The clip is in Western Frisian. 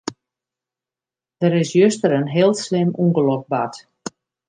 Der is juster in heel slim ûngelok bard.